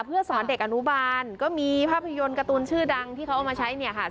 เพื่อสอนเด็กอนุบาลก็มีภาพยนตร์การ์ตูนชื่อดังที่เขาเอามาใช้เนี่ยค่ะ